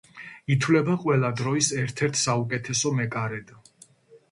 ითვლება ყველა დროის ერთ-ერთ საუკეთესო მეკარედ.